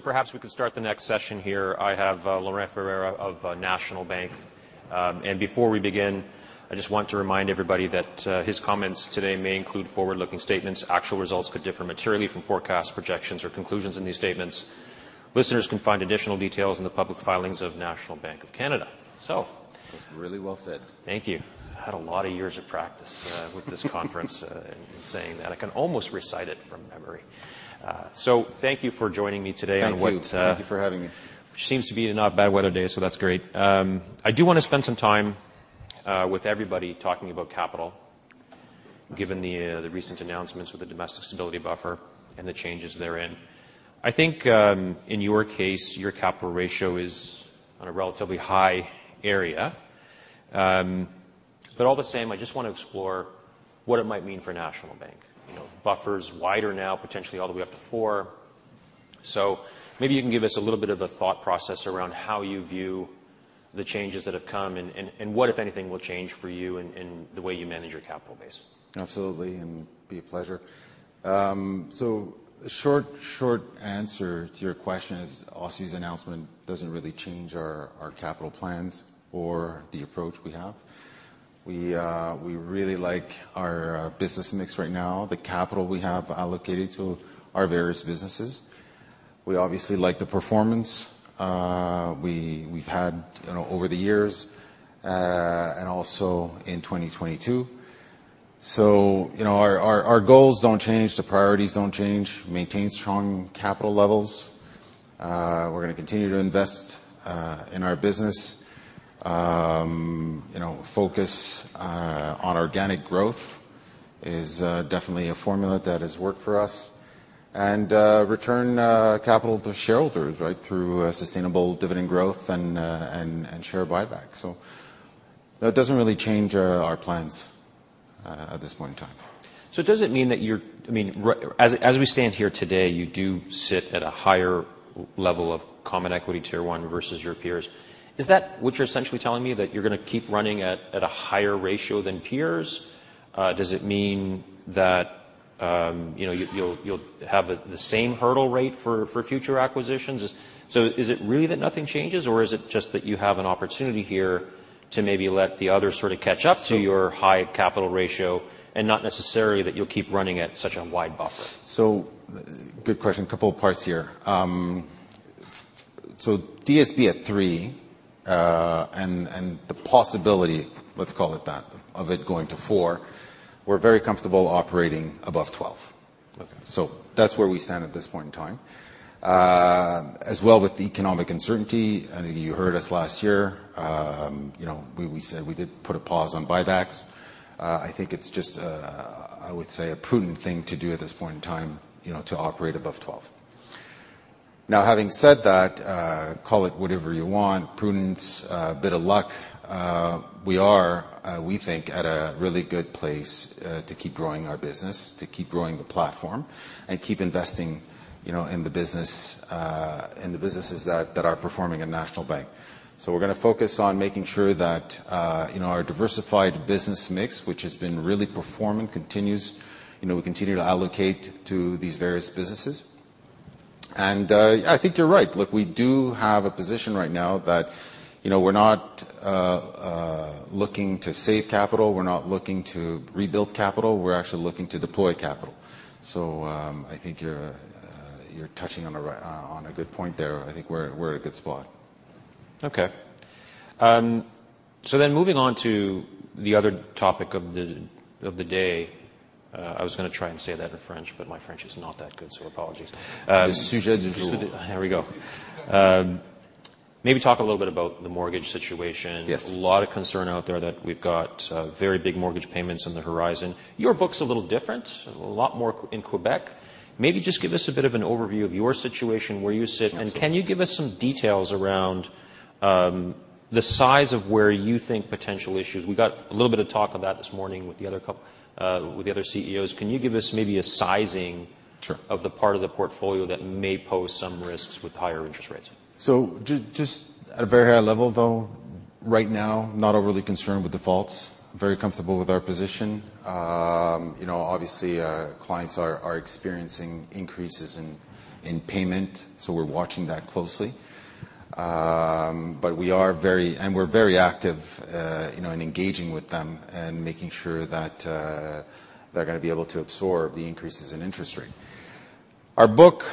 Perhaps we could start the next session here. I have Laurent Ferreira of National Bank. Before we begin, I just want to remind everybody that his comments today may include forward-looking statements. Actual results could differ materially from forecasts, projections, or conclusions in these statements. Listeners can find additional details in the public filings of National Bank of Canada. That's really well said. Thank you. Had a lot of years of practice with this conference in saying that. I can almost recite it from memory. Thank you for joining me today on what. Thank you. Thank you for having me. Seems to be not a bad weather day, so that's great. I do wanna spend some time with everybody talking about capital- Okay given the recent announcements with the Domestic Stability Buffer and the changes therein. I think, in your case, your capital ratio is on a relatively high area. All the same, I just wanna explore what it might mean for National Bank. You know, buffer's wider now, potentially all the way up to 4. Maybe you can give us a little bit of a thought process around how you view the changes that have come and what, if anything, will change for you in the way you manage your capital base. Absolutely, and be a pleasure. Short answer to your question is OSFI's announcement doesn't really change our capital plans or the approach we have. We really like our business mix right now, the capital we have allocated to our various businesses. We obviously like the performance, we've had, you know, over the years, and also in 2022. You know, our goals don't change, the priorities don't change. Maintain strong capital levels. We're gonna continue to invest in our business. You know, focus on organic growth is definitely a formula that has worked for us. Return capital to shareholders, right, through a sustainable dividend growth and share buyback. That doesn't really change our plans at this point in time. Does it mean that I mean, as we stand here today, you do sit at a higher level of Common Equity Tier 1 versus your peers? Is that what you're essentially telling me, that you're gonna keep running at a higher ratio than peers? Does it mean that, you know, you'll have the same hurdle rate for future acquisitions? Is it really that nothing changes, or is it just that you have an opportunity here to maybe let the others sort of catch up to your high capital ratio and not necessarily that you'll keep running at such a wide buffer? Good question. A couple parts here. DSB at 3, and the possibility, let's call it that, of it going to 4, we're very comfortable operating above 12. Okay. That's where we stand at this point in time. As well, with the economic uncertainty, I think you heard us last year, you know, we said we did put a pause on buybacks. I think it's just, I would say, a prudent thing to do at this point in time, you know, to operate above 12. Now, having said that, call it whatever you want, prudence, bit of luck, we are, we think, at a really good place, to keep growing our business, to keep growing the platform and keep investing, you know, in the business, in the businesses that are performing in National Bank. We're gonna focus on making sure that, you know, our diversified business mix, which has been really performing, continues. You know, we continue to allocate to these various businesses. Yeah, I think you're right. Look, we do have a position right now that, you know, we're not looking to save capital. We're not looking to rebuild capital. We're actually looking to deploy capital. I think you're touching on a good point there. I think we're in a good spot. Okay. moving on to the other topic of the day. I was gonna try and say that in French, but my French is not that good, so apologies. Le sujet du jour. Here we go. Maybe talk a little bit about the mortgage situation. Yes. A lot of concern out there that we've got, very big mortgage payments on the horizon. Your book's a little different, a lot more in Quebec. Maybe just give us a bit of an overview of your situation, where you sit. Absolutely Can you give us some details around the size of where you think potential issues. We got a little bit of talk of that this morning with the other CEOs. Can you give us maybe a sizing- Sure... of the part of the portfolio that may pose some risks with higher interest rates? Just at a very high level, though, right now, not overly concerned with defaults. Very comfortable with our position. You know, obviously, clients are experiencing increases in payment, so we're watching that closely. We're very active, you know, in engaging with them and making sure that they're gonna be able to absorb the increases in interest rate. Our book,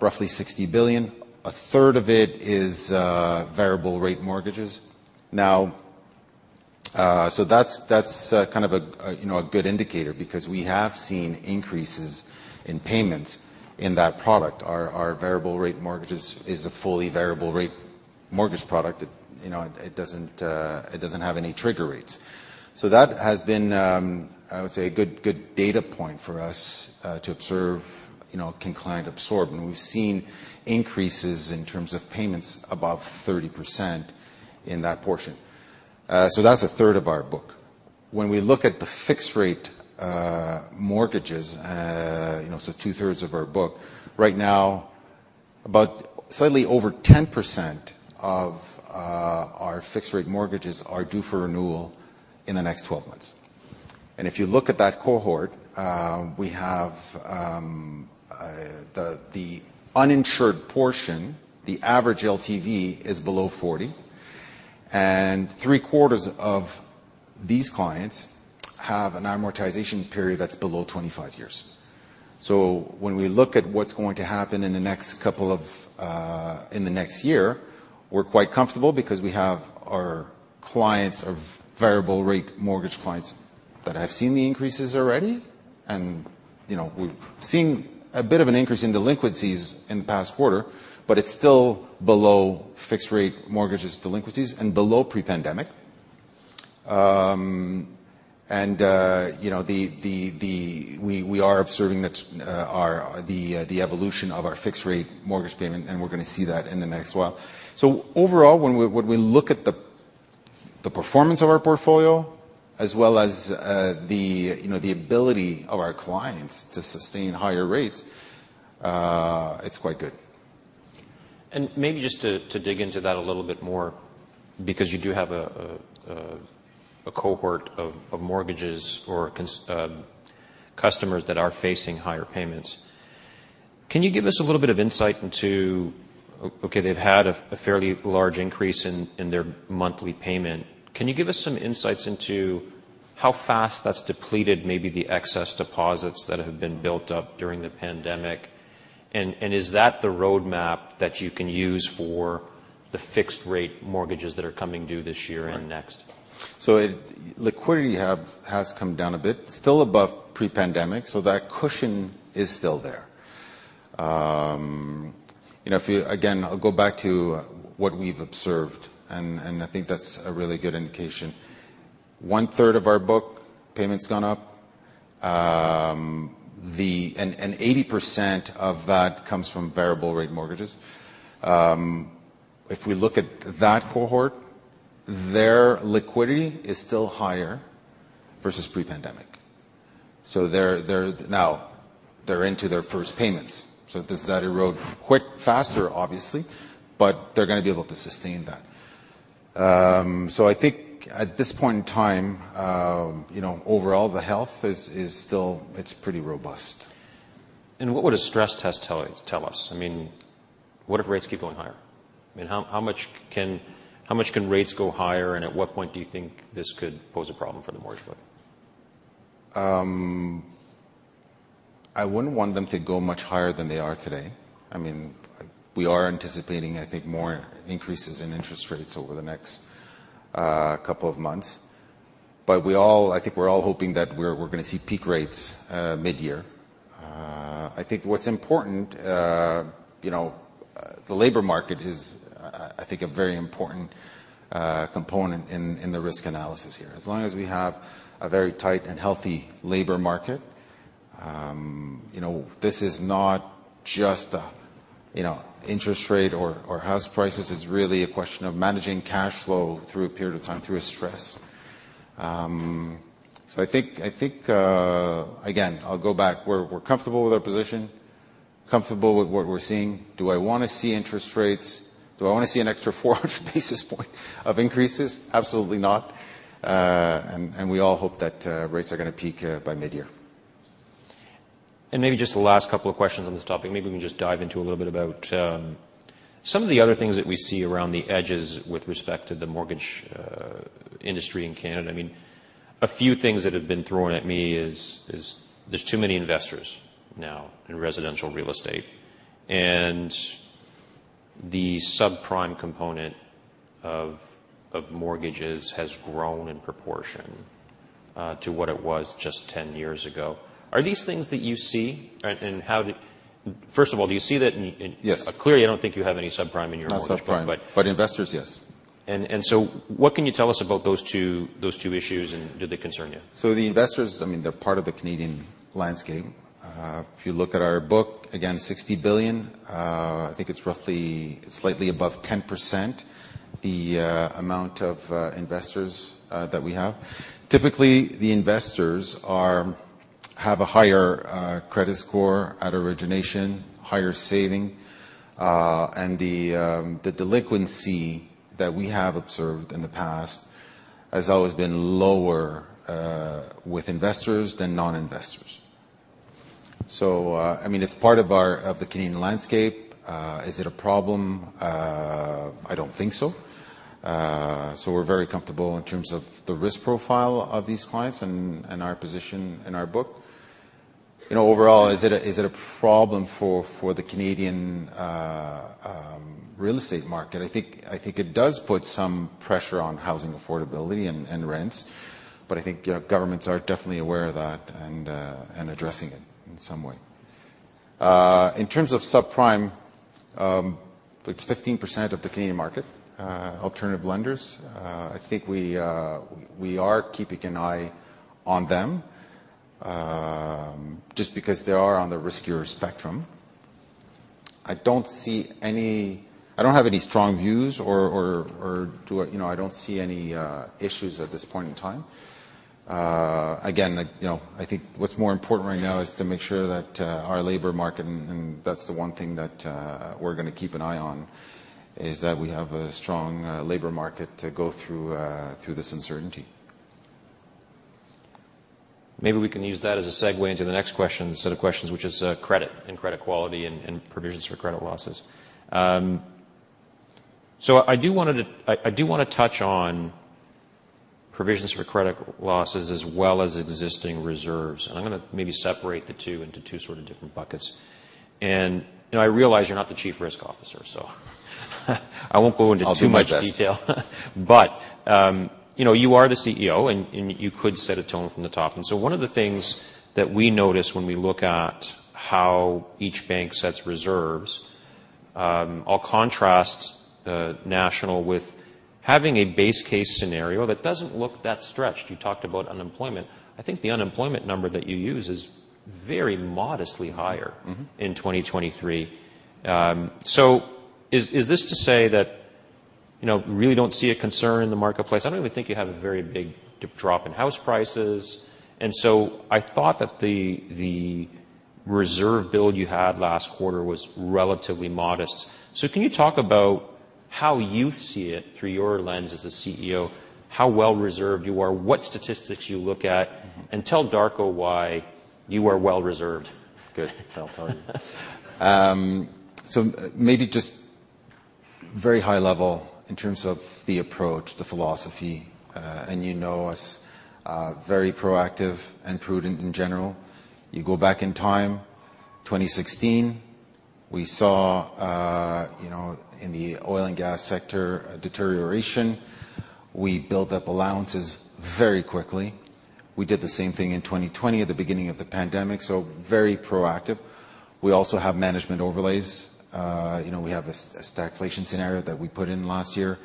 roughly 60 billion. A third of it is variable rate mortgages. That's kind of a, you know, a good indicator because we have seen increases in payments in that product. Our variable rate mortgages is a fully variable rate mortgage product that, you know, it doesn't, it doesn't have any trigger rates. That has been, I would say a good data point for us, to observe, you know, can client absorb. We've seen increases in terms of payments above 30% in that portion. That's 1/3 of our book. When we look at the fixed rate mortgages, 2/3 of our book, right now about slightly over 10% of our fixed rate mortgages are due for renewal in the next 12 months. If you look at that cohort, we have the uninsured portion, the average LTV is below 40, and 3/4 of these clients have an amortization period that's below 25 years. When we look at what's going to happen in the next year, we're quite comfortable because we have our clients of variable rate mortgage clients that have seen the increases already. You know, we've seen a bit of an increase in delinquencies in the past quarter, but it's still below fixed rate mortgages delinquencies and below pre-pandemic. You know, we are observing the evolution of our fixed rate mortgage payment, and we're gonna see that in the next while. Overall, when we look at the performance of our portfolio as well as, you know, the ability of our clients to sustain higher rates, it's quite good. Maybe just to dig into that a little bit more because you do have a cohort of mortgages or customers that are facing higher payments. Can you give us a little bit of insight into, they've had a fairly large increase in their monthly payment. Can you give us some insights into how fast that's depleted maybe the excess deposits that have been built up during the pandemic? Is that the roadmap that you can use for the fixed rate mortgages that are coming due this year and next? Liquidity has come down a bit, still above pre-pandemic, so that cushion is still there. You know, if you... Again, I'll go back to what we've observed, and I think that's a really good indication. One-third of our book payments gone up. 80% of that comes from variable rate mortgages. If we look at that cohort, their liquidity is still higher versus pre-pandemic. They're into their first payments, so that erode quick, faster, obviously, but they're gonna be able to sustain that. I think at this point in time, you know, overall the health is still. It's pretty robust. What would a stress test tell us? I mean, what if rates keep going higher? I mean, how much can rates go higher, and at what point do you think this could pose a problem for the mortgage book? I wouldn't want them to go much higher than they are today. I mean, we are anticipating, I think, more increases in interest rates over the next couple of months. I think we're all hoping that we're gonna see peak rates midyear. I think what's important, you know, the labor market is, I think, a very important component in the risk analysis here. As long as we have a very tight and healthy labor market, you know, this is not just, you know, interest rate or house prices, it's really a question of managing cash flow through a period of time through a stress. I think, I think... Again, I'll go back. We're comfortable with our position, comfortable with what we're seeing. Do I wanna see an extra 400 basis point of increases? Absolutely not. We all hope that rates are gonna peak by midyear. Maybe just the last couple of questions on this topic, maybe we can just dive into a little bit about some of the other things that we see around the edges with respect to the mortgage industry in Canada. I mean, a few things that have been thrown at me is there's too many investors now in residential real estate, and the subprime component of mortgages has grown in proportion to what it was just 10 years ago. Are these things that you see? First of all, do you see that in. Yes. Clearly, I don't think you have any subprime in your mortgage book, but- Not subprime, but investors, yes. What can you tell us about those two issues, and do they concern you? The investors, I mean, they're part of the Canadian landscape. If you look at our book, again, 60 billion, I think it's roughly slightly above 10% the amount of investors that we have. Typically, the investors have a higher credit score at origination, higher saving, and the delinquency that we have observed in the past has always been lower with investors than non-investors. I mean, it's part of the Canadian landscape. Is it a problem? I don't think so. We're very comfortable in terms of the risk profile of these clients and our position in our book. You know, overall, is it a problem for the Canadian real estate market? I think it does put some pressure on housing affordability and rents, I think, you know, governments are definitely aware of that and addressing it in some way. In terms of subprime, it's 15% of the Canadian market, alternative lenders. I think we are keeping an eye on them just because they are on the riskier spectrum. I don't have any strong views or do I. You know, I don't see any issues at this point in time. Again, you know, I think what's more important right now is to make sure that our labor market, and that's the one thing that we're gonna keep an eye on, is that we have a strong labor market to go through this uncertainty. Maybe we can use that as a segue into the next set of questions, which is credit and credit quality and Provisions for Credit Losses. I do wanna touch on Provisions for Credit Losses as well as existing reserves. I'm gonna maybe separate the two into two sort of different buckets. You know, I realize you're not the chief risk officer, so I won't go into too much detail. I'll do my best. You know, you are the CEO and you could set a tone from the top. One of the things that we notice when we look at how each bank sets reserves, I'll contrast National with having a base case scenario that doesn't look that stretched. You talked about unemployment. I think the unemployment number that you use is very modestly higher- Mm-hmm. -in 2023. Is this to say that, you know, really don't see a concern in the marketplace? I don't even think you have a very big drop in house prices, I thought that the reserve build you had last quarter was relatively modest. Can you talk about how you see it through your lens as a CEO, how well reserved you are, what statistics you look at? Mm-hmm. tell Darko why you are well reserved. Good. I'll tell you. Maybe just very high level in terms of the approach, the philosophy, and you know us, very proactive and prudent in general. You go back in time, 2016, we saw, you know, in the oil and gas sector a deterioration. We built up allowances very quickly. We did the same thing in 2020 at the beginning of the pandemic. Very proactive. We also have management overlays. You know, we have a stagflation scenario that we put in last year.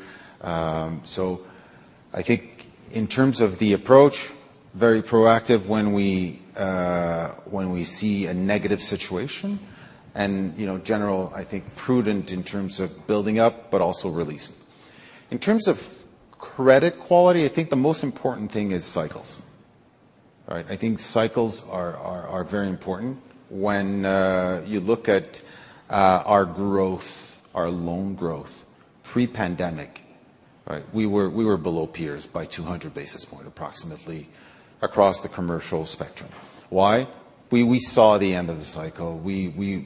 I think in terms of the approach, very proactive when we see a negative situation and, you know, general, I think, prudent in terms of building up, but also releasing. In terms of credit quality, I think the most important thing is cycles. All right? I think cycles are very important. When you look at our growth, our loan growth pre-pandemic, right, we were below peers by 200 basis points approximately across the commercial spectrum. Why? We saw the end of the cycle. We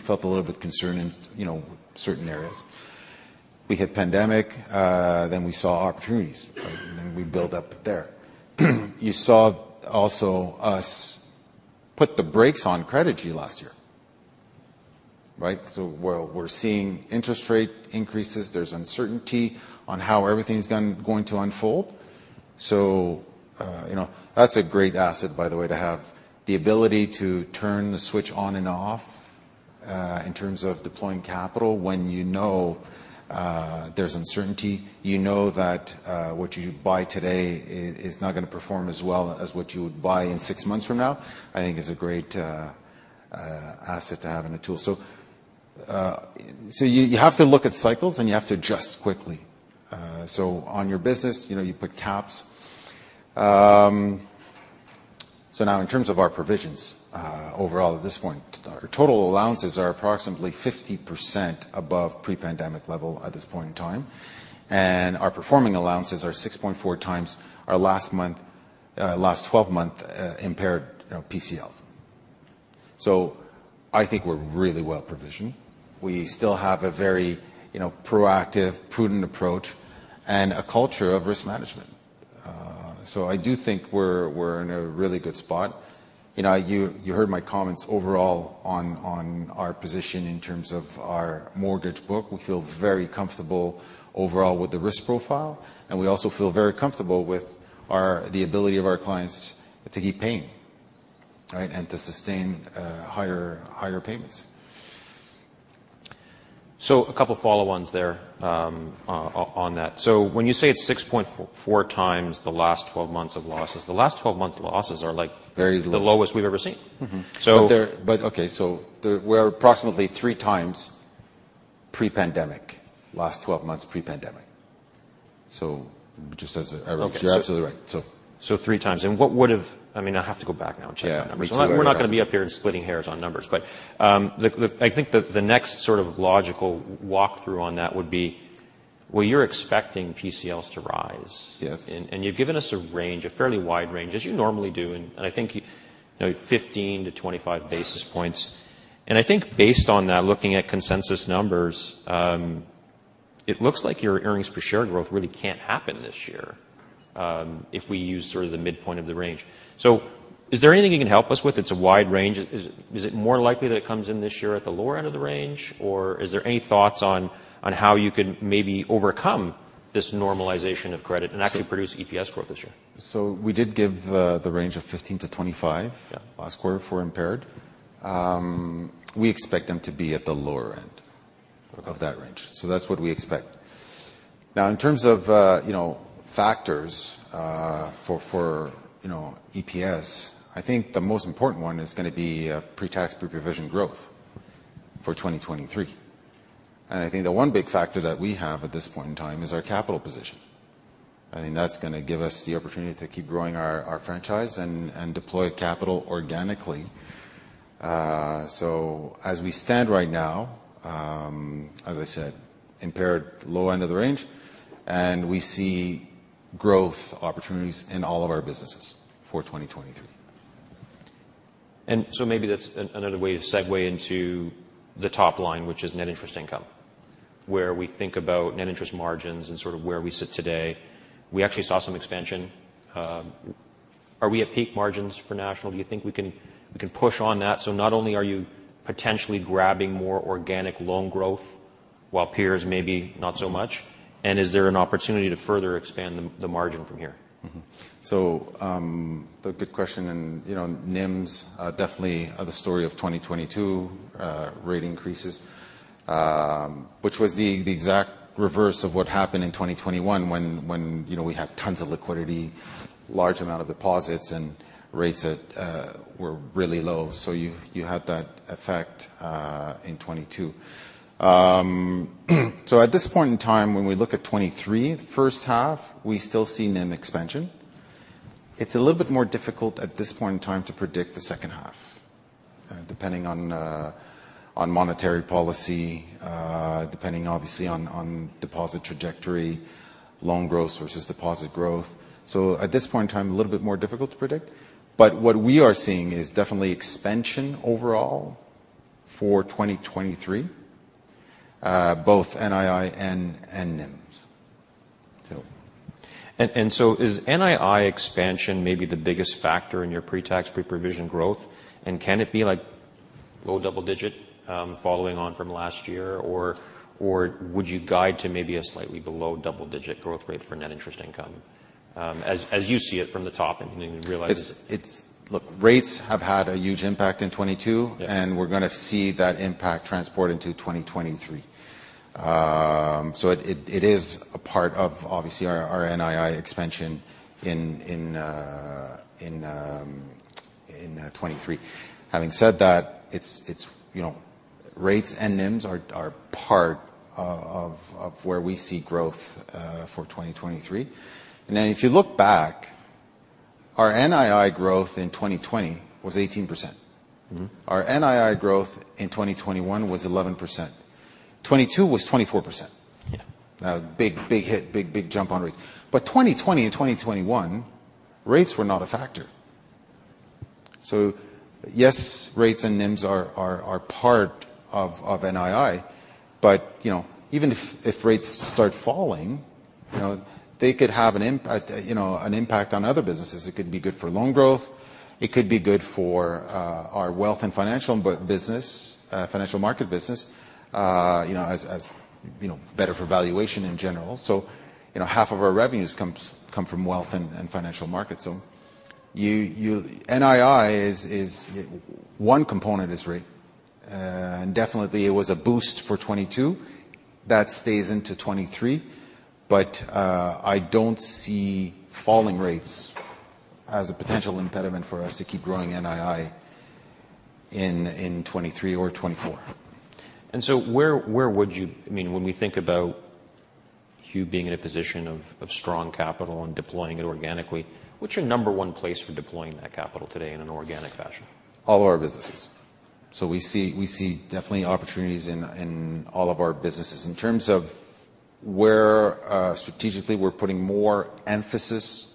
felt a little bit concerned in you know, certain areas. We hit pandemic, we saw opportunities, right? We build up there. You saw also us put the brakes on credit growth last year, right? Well, we're seeing interest rate increases. There's uncertainty on how everything's going to unfold. You know, that's a great asset by the way to have the ability to turn the switch on and off in terms of deploying capital when you know, there's uncertainty. You know that, what you buy today is not gonna perform as well as what you would buy in 6 months from now, I think is a great asset to have and a tool. You, you have to look at cycles, and you have to adjust quickly. On your business, you know, you put caps. Now in terms of our provisions, overall at this point, our total allowances are approximately 50% above pre-pandemic level at this point in time, and our performing allowances are 6.4 times our last month, last 12-month, impaired, you know, PCLs. I think we're really well provisioned. We still have a very, you know, proactive, prudent approach and a culture of risk management. I do think we're in a really good spot. You know, you heard my comments overall on our position in terms of our mortgage book. We feel very comfortable overall with the risk profile, and we also feel very comfortable with the ability of our clients to keep paying, right, and to sustain higher payments. A couple follow-ons there, on that. When you say it's 6.4 times the last 12 months of losses, the last 12 months losses are like- Very low. the lowest we've ever seen. Mm-hmm. So- Okay, we're approximately 3 times pre-pandemic, last 12 months pre-pandemic. Just as a. You're absolutely right. three times. I mean, I have to go back now and check the numbers. Yeah, me too. We're not gonna be up here and splitting hairs on numbers. I think the next sort of logical walkthrough on that would be, well, you're expecting PCLs to rise. Yes. You've given us a range, a fairly wide range as you normally do, and I think you know, 15-25 basis points. I think based on that, looking at consensus numbers, it looks like your earnings per share growth really can't happen this year, if we use sort of the midpoint of the range. Is there anything you can help us with? It's a wide range. Is it more likely that it comes in this year at the lower end of the range, or is there any thoughts on how you could maybe overcome this normalization of credit and actually produce EPS growth this year? We did give the range of 15 to 25. Yeah. last quarter for impaired. We expect them to be at the lower end of that range. That's what we expect. Now, in terms of, you know, factors, for, you know, EPS, I think the most important one is gonna be pre-tax, pre-provision growth for 2023. I think the one big factor that we have at this point in time is our capital position. I think that's gonna give us the opportunity to keep growing our franchise and deploy capital organically. As we stand right now, as I said, impaired low end of the range, we see growth opportunities in all of our businesses for 2023. Maybe that's another way to segue into the top line, which is net interest income, where we think about net interest margins and sort of where we sit today. We actually saw some expansion. Are we at peak margins for National? Do you think we can push on that? Not only are you potentially grabbing more organic loan growth while peers maybe not so much, and is there an opportunity to further expand the margin from here? A good question. You know, NIMS definitely are the story of 2022 rate increases, which was the exact reverse of what happened in 2021 when, you know, we had tons of liquidity, large amount of deposits and rates that were really low. You had that effect in 22. At this point in time, when we look at 23, first half, we still see NIM expansion. It's a little bit more difficult at this point in time to predict the second half, depending on monetary policy, depending obviously on deposit trajectory, loan growth versus deposit growth. At this point in time, a little bit more difficult to predict. What we are seeing is definitely expansion overall for 2023, both NII and NIMS. Is NII expansion maybe the biggest factor in your pre-tax, pre-provision growth? Can it be like low double digit following on from last year? Or would you guide to maybe a slightly below double-digit growth rate for net interest income as you see it from the top? It's... Look, rates have had a huge impact in 2022. Yeah. We're gonna see that impact transport into 2023. It is a part of, obviously, our NII expansion in 2023. Having said that, it's, you know, rates and NIMS are part of where we see growth for 2023. If you look back, our NII growth in 2020 was 18%. Mm-hmm. Our NII growth in 2021 was 11%. 2022 was 24%. Yeah. Now big, big hit, big, big jump on rates. 2020 and 2021, rates were not a factor. Yes, rates and NIMS are part of NII, but, you know, even if rates start falling, you know, they could have an impact on other businesses. It could be good for loan growth, it could be good for our wealth and financial business, financial market business, you know, as, you know, better for valuation in general. You know, half of our revenues come from wealth and financial markets. You, NII is. One component is rate. Definitely it was a boost for 2022. That stays into 2023. I don't see falling rates as a potential impediment for us to keep growing NII in 2023 or 2024. Where, I mean, when we think about you being in a position of strong capital and deploying it organically, what's your number 1 place for deploying that capital today in an organic fashion? All our businesses. We see definitely opportunities in all of our businesses. In terms of where, strategically, we're putting more emphasis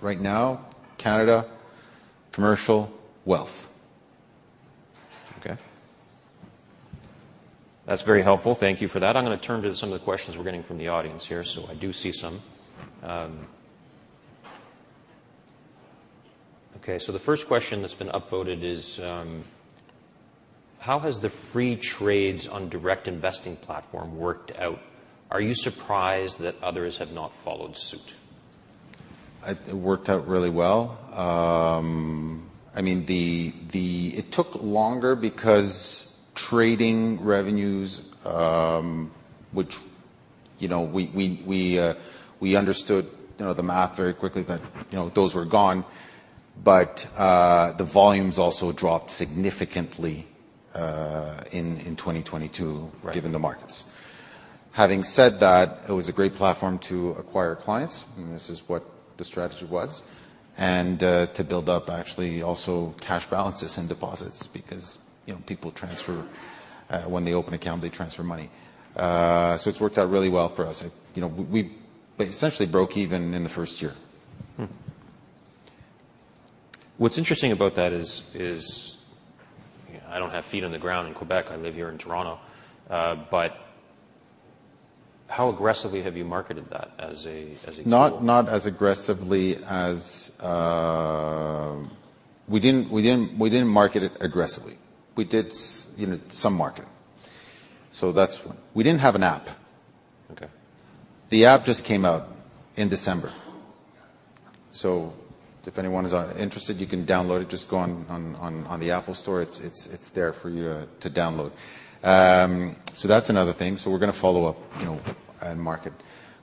right now, Canada, commercial, wealth. Okay. That's very helpful. Thank you for that. I'm gonna turn to some of the questions we're getting from the audience here. I do see some. Okay. The first question that's been upvoted is, how has the free trades on direct investing platform worked out? Are you surprised that others have not followed suit? It worked out really well. I mean, the... It took longer because trading revenues, which, you know, we understood, you know, the math very quickly that, you know, those were gone, but the volumes also dropped significantly in 2022. Right. given the markets. Having said that, it was a great platform to acquire clients. This is what the strategy was, and to build up actually also cash balances and deposits because, you know, people transfer, when they open account, they transfer money. It's worked out really well for us. You know, we essentially broke even in the first year. What's interesting about that is, you know, I don't have feet on the ground in Quebec, I live here in Toronto, but how aggressively have you marketed that as a tool? Not as aggressively as. We didn't market it aggressively. We did, you know, some marketing. That's. We didn't have an app. Okay. The app just came out in December. If anyone is interested, you can download it. Just go on the App Store. It's there for you to download. That's another thing. We're gonna follow up, you know, and market.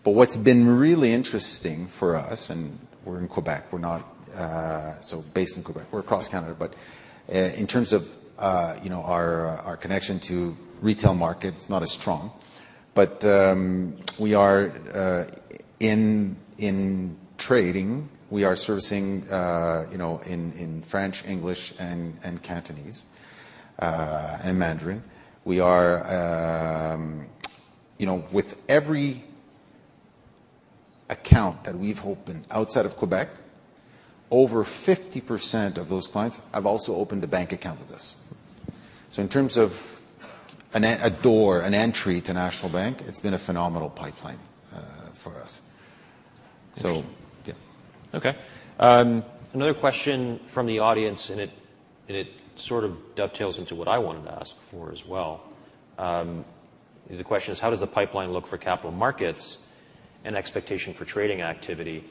What's been really interesting for us, and we're in Quebec. So based in Quebec. We're across Canada, but in terms of, you know, our connection to retail market, it's not as strong. We are in trading, we are servicing, you know, in French, English, and Cantonese and Mandarin. We are, you know, with every account that we've opened outside of Quebec, over 50% of those clients have also opened a bank account with us. in terms of a door, an entry to National Bank, it's been a phenomenal pipeline for us. Yeah. Okay. Another question from the audience, it sort of dovetails into what I wanted to ask for as well. The question is: how does the pipeline look for capital markets and expectation for trading activity?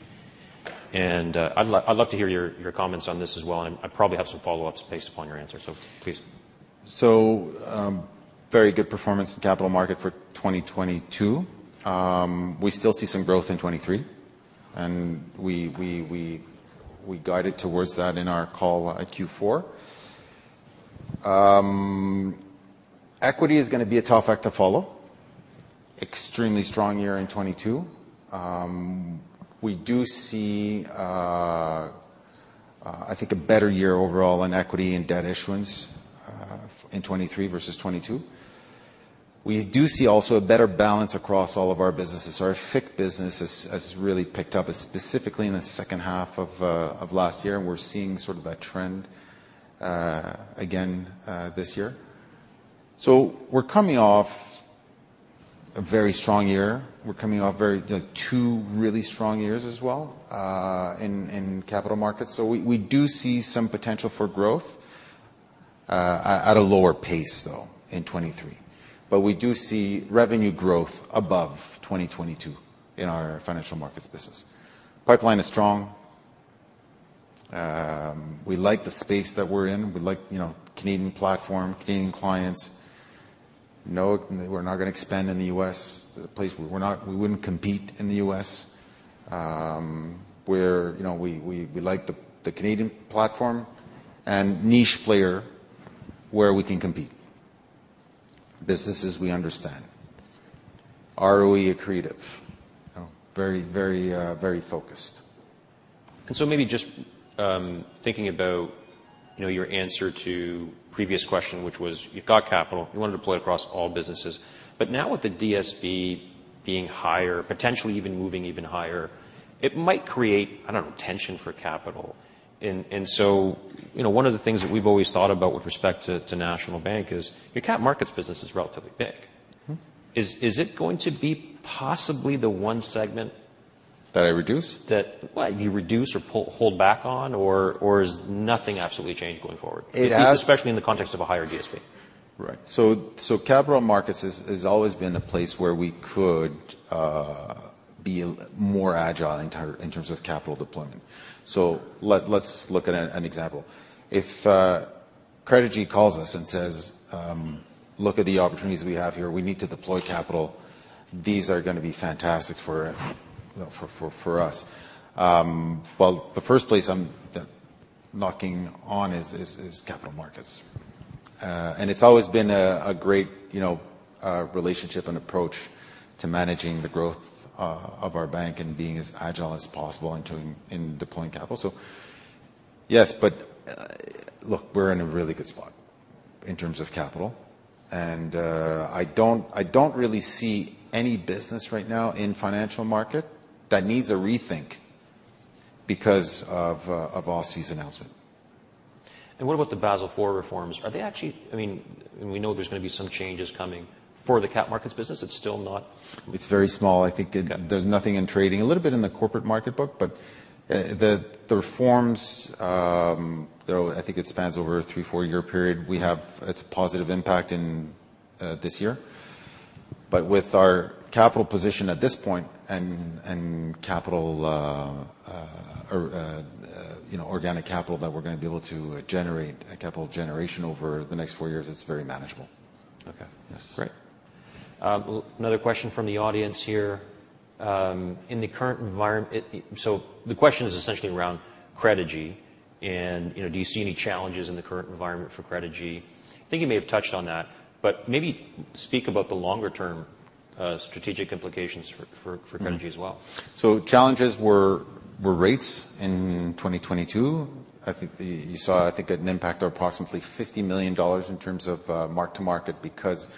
I'd love to hear your comments on this as well. I probably have some follow-ups based upon your answer. Please. Very good performance in Capital Markets for 2022. We still see some growth in 2023, and we guided towards that in our call at Q4. Equity is gonna be a tough act to follow. Extremely strong year in 2022. We do see, I think a better year overall in equity and debt issuance in 2023 versus 2022. We do see also a better balance across all of our businesses. Our FIC business has really picked up, specifically in the second half of last year, and we're seeing sort of that trend again this year. We're coming off a very strong year. We're coming off very 2 really strong years as well in Capital Markets. We, we do see some potential for growth at a lower pace, though, in 2023. We do see revenue growth above 2022 in our financial markets business. Pipeline is strong. We like the space that we're in. We like, you know, Canadian platform, Canadian clients. No, we're not gonna expand in the U.S. We wouldn't compete in the U.S. We're, you know, we like the Canadian platform and niche player where we can compete. Businesses we understand. ROE accretive. Very focused. Maybe just, thinking about, you know, your answer to previous question, which was you've got capital, you want to deploy it across all businesses. Now with the DSB being higher, potentially even moving even higher, it might create, I don't know, tension for capital. You know, one of the things that we've always thought about with respect to National Bank is your cap markets business is relatively big. Mm-hmm. Is it going to be possibly the one? That I reduce? That... Well, you reduce or hold back on, or is nothing absolutely changed going forward? It has- Especially in the context of a higher DSB. Right. Capital markets has always been a place where we could be more agile in terms of capital deployment. Let's look at an example. If Credigy calls us and says, "Look at the opportunities we have here. We need to deploy capital. These are gonna be fantastic for us." Well, the first place I'm knocking on is capital markets. It's always been a great, you know, relationship and approach to managing the growth of our bank and being as agile as possible in deploying capital. Yes, but look, we're in a really good spot in terms of capital. I don't really see any business right now in financial market that needs a rethink because of OSFI's announcement. What about the Basel IV reforms? Are they actually? I mean, we know there's going to be some changes coming for the cap markets business. It's still not. It's very small. I think it- Okay. There's nothing in trading. A little bit in the corporate market book, but the reforms, though I think it spans over a 3, 4-year period, it's a positive impact in this year. With our capital position at this point and capital or, you know, organic capital that we're gonna be able to generate a capital generation over the next 4 years, it's very manageable. Okay. Yes. Great. Another question from the audience here. In the current environment... The question is essentially around Credigy and, you know, do you see any challenges in the current environment for Credigy? I think you may have touched on that, but maybe speak about the longer term, strategic implications for Credigy as well. Challenges were rates in 2022. I think you saw an impact of approximately $50 million in terms of mark to market because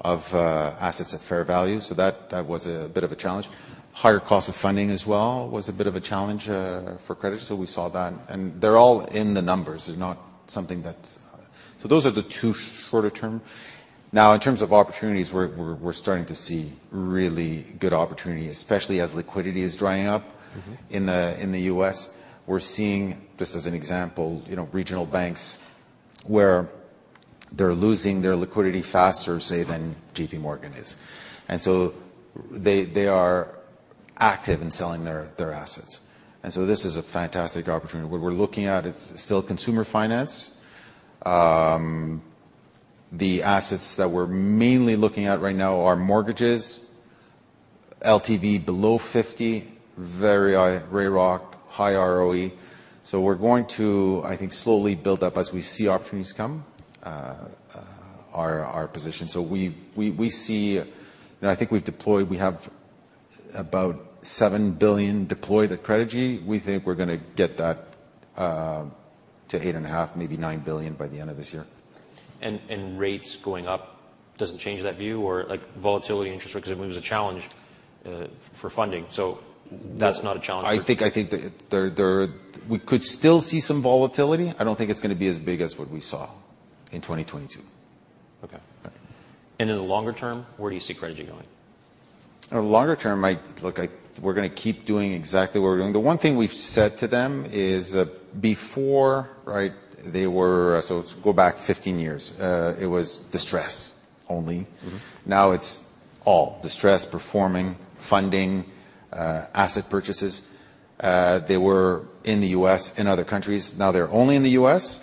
of assets at fair value. That was a bit of a challenge. Higher cost of funding as well was a bit of a challenge for Credigy, we saw that. They're all in the numbers. They're not something that's... Those are the two shorter term. In terms of opportunities, we're starting to see really good opportunity, especially as liquidity is drying up- Mm-hmm. In the, in the U.S. We're seeing, just as an example, you know, regional banks where they're losing their liquidity faster, say, than JP Morgan is. They, they are active in selling their assets. This is a fantastic opportunity. What we're looking at is still consumer finance. The assets that we're mainly looking at right now are mortgages, LTV below 50, very high RAROC, high ROE. So we're going to, I think, slowly build up as we see opportunities come our position. You know, I think we've deployed we have about 7 billion deployed at Credigy. We think we're gonna get that to 8.5 billion-9 billion by the end of this year. Rates going up doesn't change that view or like volatility interest rates 'cause it moves a challenge for funding. That's not a challenge. I think there We could still see some volatility. I don't think it's gonna be as big as what we saw in 2022. Okay. All right. In the longer term, where do you see Credigy going? In the longer term, we're gonna keep doing exactly what we're doing. The one thing we've said to them is, before, right, so let's go back 15 years. It was distress only. Mm-hmm. It's all distress, performing, funding, asset purchases. They were in the US and other countries. Now they're only in the US,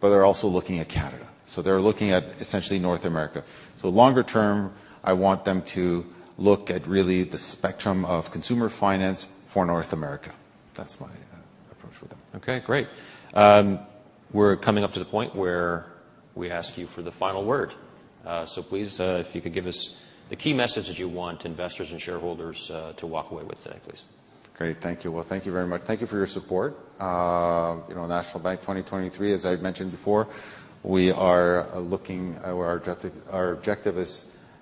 but they're also looking at Canada. They're looking at essentially North America. Longer term, I want them to look at really the spectrum of consumer finance for North America. That's my approach for them. Okay, great. We're coming up to the point where we ask you for the final word. Please, if you could give us the key message that you want investors and shareholders, to walk away with today, please. Great. Thank you. Well, thank you very much. Thank you for your support. You know, National Bank 2023, as I've mentioned before, our objective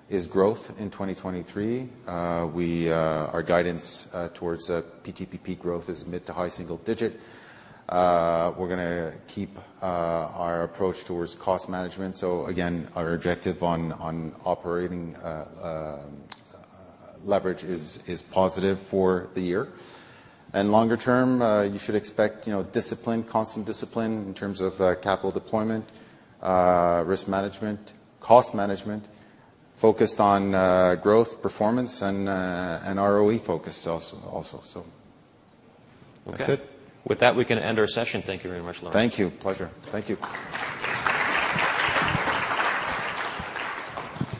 is growth in 2023. Our guidance towards PTPP growth is mid-to-high single digit. We're gonna keep our approach towards cost management. Again, our objective on operating leverage is positive for the year. Longer term, you should expect, you know, discipline, constant discipline in terms of capital deployment, risk management, cost management, focused on growth, performance and ROE focus also. That's it. Okay. With that, we can end our session. Thank you very much, Laurent. Thank you. Pleasure. Thank you.